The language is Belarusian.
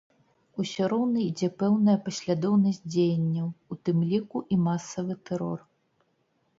Усё роўна ідзе пэўная паслядоўнасць дзеянняў, у тым ліку і масавы тэрор.